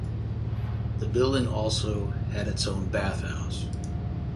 The building also had its own bathhouse.